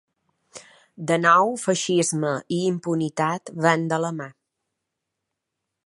De nou feixisme i impunitat van de la mà.